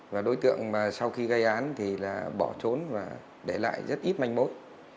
và đối tượng mà sau khi gây án thì là bỏ trốn và để lại rất ít manh mối